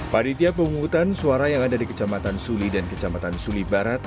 pada setiap penghutang suara yang ada di kecamatan suli dan kecamatan suli barat